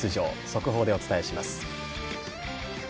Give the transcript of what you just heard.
速報でお伝えします。